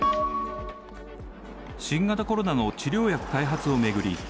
新型コロナの治療薬開発を巡り